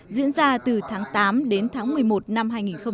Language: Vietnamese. diễn ra từ tháng tám đến tháng một mươi một năm hai nghìn một mươi chín